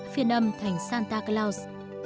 phiên âm thành santa claus